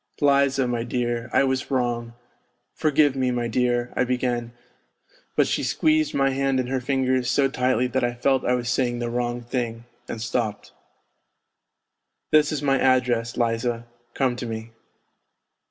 " Liza, my dear, I was wrong ... forgive me, my dear," I began, but she squeezed my hand in her ringers so tightly that I felt I was saying the wrong thing and stopped. " This is my address, Liza, come to me."